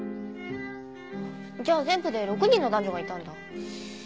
じゃあ全部で６人の男女がいたんだ。